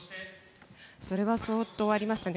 それは相当ありましたね。